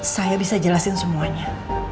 saya bisa jelasin semuanya